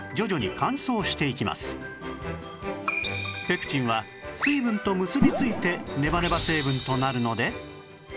ペクチンは水分と結びついてネバネバ成分となるので